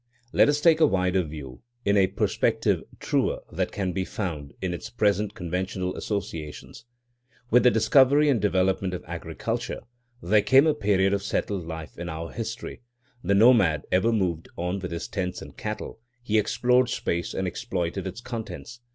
Let us take a wider view, in a perspective truer than can be found in its present conventional associations. With the discovery and development of agriculture there came a period of settled life in our history. The nomad ever moved on with his tents and cattle; he explored space and exploited its contents.